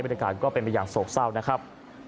เป็นอาการก็เป็นอย่างโซ่เซ่านะครับ